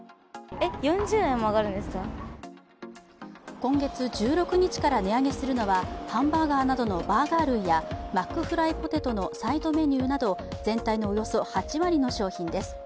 今月１６日から値上げするのはハンバーガーなどのバーガー類やマックフライポテトのサイドメニューなど全体のおよそ８割の商品です。